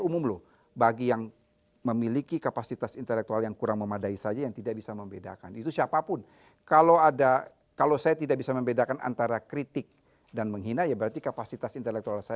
umum loh bagi yang memiliki kapasitas intelektual yang kurang memadai saja yang tidak bisa membedakan itu siapapun kalau ada kalau saya tidak bisa membedakan antara kritik dan menghina berarti kapasitas intelektual